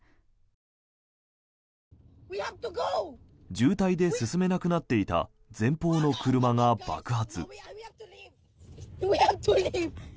渋滞で進めなくなっていた前方の車が爆発。